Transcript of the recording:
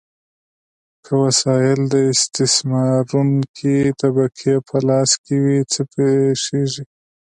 که وسایل د استثمارونکې طبقې په لاس کې وي، څه پیښیږي؟